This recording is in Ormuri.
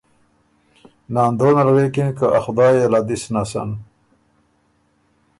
ناندونه ال غوېکِن که ا خدای ال ا دِس نسن۔